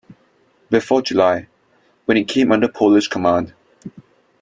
Before July, when it came under Polish command.